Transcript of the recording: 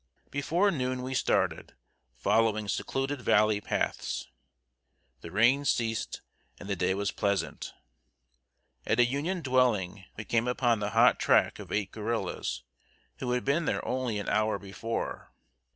Before noon we started, following secluded valley paths. The rain ceased and the day was pleasant. At a Union dwelling we came upon the hot track of eight guerrillas, who had been there only an hour before.